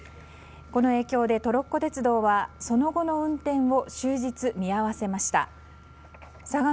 この影響でトロッコ鉄道はその後の運転を終日見合わせました。